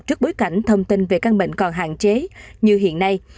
trước bối cảnh thông tin về căn bệnh còn hạn chế như hiện nay